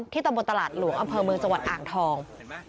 ตำบลตลาดหลวงอำเภอเมืองจังหวัดอ่างทอง